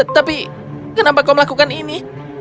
tapi kenapa kau melakukan ini